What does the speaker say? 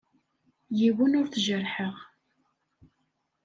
Yiwen ur t-jerrḥeɣ.